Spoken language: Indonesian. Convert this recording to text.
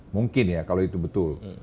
mungkin ya kalau itu betul